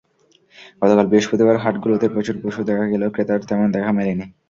গতকাল বৃহস্পতিবার হাটগুলোতে প্রচুর পশু দেখা গেলেও ক্রেতার তেমন দেখা মেলেনি।